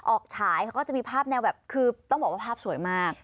ฉายเขาก็จะมีภาพแนวแบบคือต้องบอกว่าภาพสวยมาก